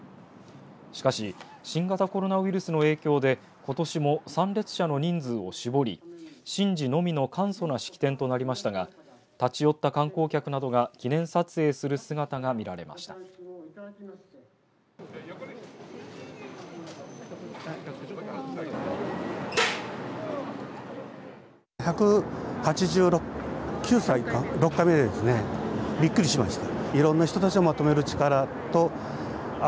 しかし新型コロナウイルスの影響でことしも参列者の人数を絞り神事のみの簡素な式典となりましたが立ち寄った観光客などが記念撮影する姿が見られました。